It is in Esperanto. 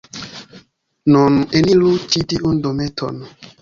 Nun, eniru ĉi tiun dometon...